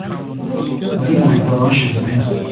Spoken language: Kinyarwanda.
Nari mu bitaro hashize iminsi.